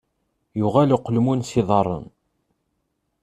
Yuɣal uqelmun s iḍaren.